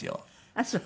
あっそう。